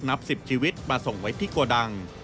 นับ๑๐ชีวิตมาส่งไว้ที่โกดัง